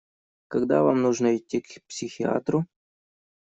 Когда вам нужно идти к психиатру?